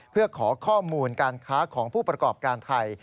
เพื่อขอข้อมูลการค้าของผู้ประกอบการไทย